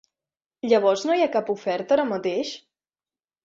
Llavors no hi ha cap oferta ara mateix?